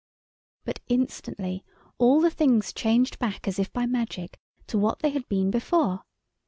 But instantly all the things changed back as if by magic to what they had been before.